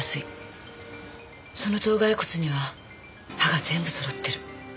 その頭蓋骨には歯が全部そろってる。